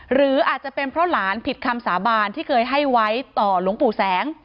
หรืออาจจะเป็นเพราะหลานผิดคำสาบานที่เคยให้ไว้ต่อหลวงปู่แสง